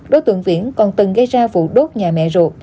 đối tượng viễn còn từng gây ra vụ đốt nhà mẹ ruột